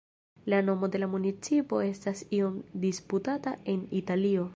La nomo de la municipo estas iom disputata en Italio.